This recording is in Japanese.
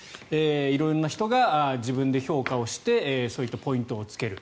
色んな人が自分で評価をしてそういったポイントをつける。